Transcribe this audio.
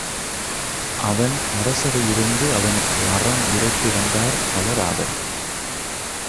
அவன் அரசவை இருந்து, அவனுக்கு அறம் உரைத்து வந்தார் பலராவர்.